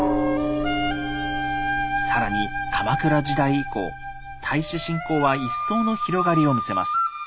更に鎌倉時代以降太子信仰は一層の広がりを見せます。